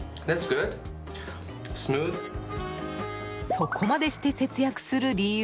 そこまでして節約する理由